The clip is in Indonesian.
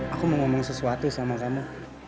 aku mau ngomong sesuatu sama kamu